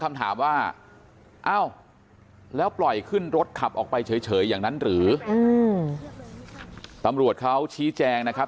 มีกล้วยติดอยู่ใต้ท้องเดี๋ยวพี่ขอบคุณ